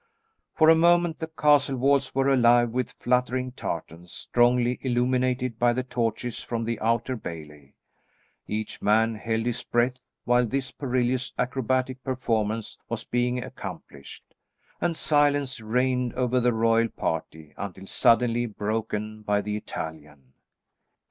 For a moment the castle walls were alive with fluttering tartans, strongly illuminated by the torches from the outer bailey. Each man held his breath while this perilous acrobatic performance was being accomplished, and silence reigned over the royal party until suddenly broken by the Italian.